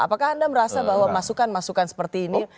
apakah anda merasa bahwa masukan masukan seperti ini